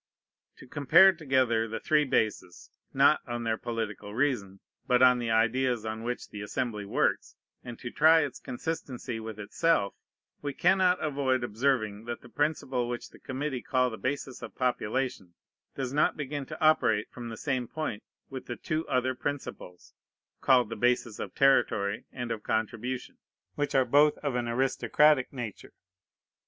To compare together the three bases, not on their political reason, but on the ideas on which the Assembly works, and to try its consistency with itself, we cannot avoid observing that the principle which the committee call the basis of population does not begin to operate from the same point with the two other principles, called the bases of territory and of contribution, which are both of an aristocratic nature.